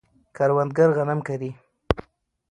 کروندګر غنم کري.